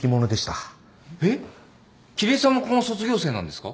えっ桐江さんもここの卒業生なんですか？